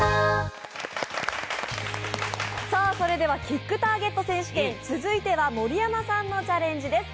キックターゲット選手権、続いては盛山さんのチャレンジです。